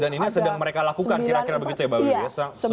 dan ini sedang mereka lakukan kira kira begitu ya mbak bowie